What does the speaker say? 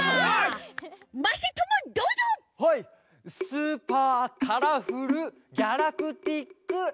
スーパーカラフルギャラクティックエクス。